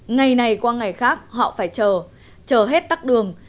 ngày này qua ngày khác họ phải chờ chờ hết tắc đường